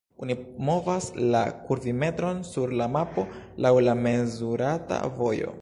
Oni movas la kurvimetron sur la mapo laŭ la mezurata vojo.